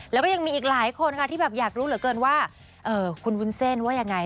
แล้วก็ยังมีอีกหลายคนค่ะที่แบบอยากรู้เหลือเกินว่าคุณวุ้นเส้นว่ายังไง